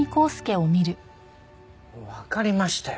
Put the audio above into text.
わかりましたよ。